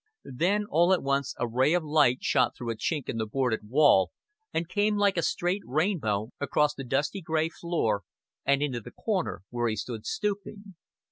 Then all at once a ray of light shot through a chink in the boarded wall, and came like a straight rainbow across the dusty gray floor and into the corner where he stood stooping.